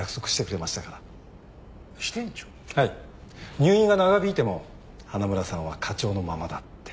入院が長引いても花村さんは課長のままだって。